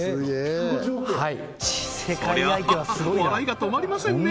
それはハハ笑いが止まりませんね